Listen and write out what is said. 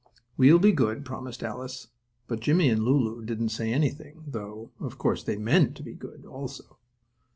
"We'll be good," promised Alice, but Jimmie and Lulu didn't say anything, though, of course they meant to be good also.